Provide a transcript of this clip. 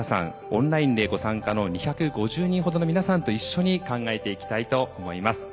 オンラインでご参加の２５０人ほどの皆さんと一緒に考えていきたいと思います。